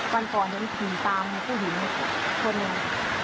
วันก่อนยังถือตามผู้หญิง